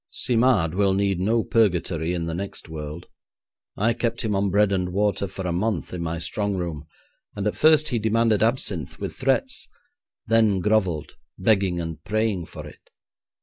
Simard will need no purgatory in the next world. I kept him on bread and water for a month in my strong room, and at first he demanded absinthe with threats, then grovelled, begging and praying for it.